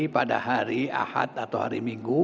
pada hari ahad atau hari minggu